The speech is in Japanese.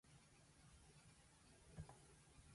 やあ！みんな